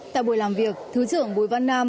tại buổi làm việc thứ trưởng bùi văn nam